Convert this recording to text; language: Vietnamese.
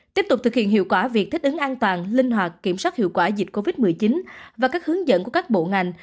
tiếp tục thực hiện hiệu quả việc thích ứng an toàn linh hoạt kiểm soát hiệu quả dịch covid một mươi chín và các hướng dẫn của các bộ ngành